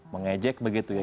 mengejek begitu ya